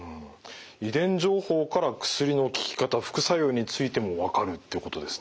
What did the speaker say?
遺伝情報から薬の効き方副作用についても分かるっていうことですね。